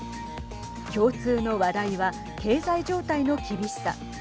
共通の話題は経済状態の厳しさ。